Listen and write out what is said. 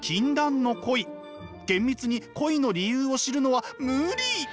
厳密に恋の理由を知るのは無理。